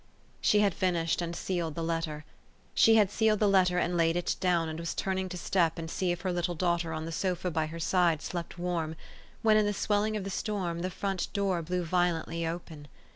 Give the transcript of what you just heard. She had finished and sealed her letter. She had sealed the letter, and laid it down, and was turning to step and see if her little daughter on the sofa by her side slept warm, when, in the swelling of the storm, the front door blew violent!} 7 open.